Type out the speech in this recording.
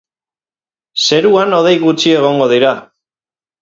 Zeruan hodei gutxi egongo dira.